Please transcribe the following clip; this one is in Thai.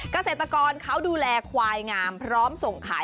เกษตรกรเขาดูแลควายงามพร้อมส่งขาย